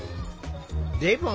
でも。